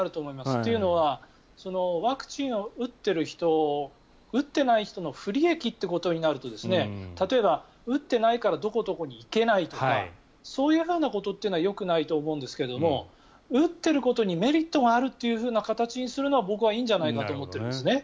というのはワクチンを打ってる人打ってない人の不利益ということになると例えば、打ってないからどこどこに行けないとかそういうふうなことはよくないと思うんですけど打ってることにメリットがあるというふうな形にするのは僕はいいんじゃないかと思っているんですね。